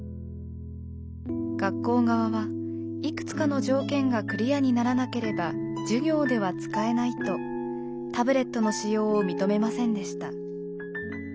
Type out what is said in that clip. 学校側はいくつかの条件がクリアにならなければ授業では使えないとタブレットの使用を認めませんでした。